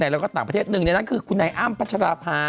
แล้วก็ต่างประเทศหนึ่งนั่นคือคุณไหนอ้ามปัจจราภา